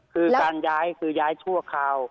คือการย้ายคือย้ายชั่วคราว